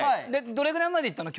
どれぐらいまでいったの？